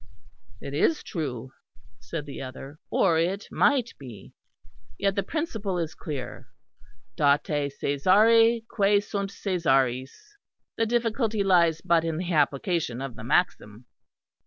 "It is true," said the other, "or it might be. Yet the principle is clear, Date Cæsari quae sunt Cæsaris. The difficulty lies but in the application of the maxim."